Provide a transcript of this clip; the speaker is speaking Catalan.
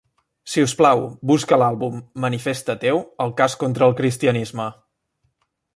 Si us plau, busca l'àlbum "Manifest ateu: el cas contra el cristianisme".